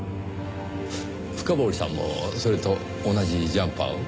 深堀さんもそれと同じジャンパーを？